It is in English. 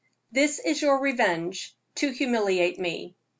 "THIS IS YOUR REVENGE TO HUMILIATE ME."